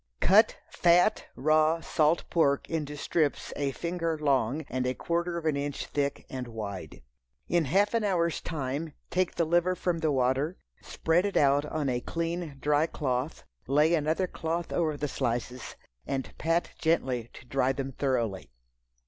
Cut fat, raw salt pork into strips a finger long and a quarter of an inch thick and wide. In half an hour's time take the liver from the water, spread it out on a clean dry cloth, lay another cloth over the slices and pat gently to dry them thoroughly.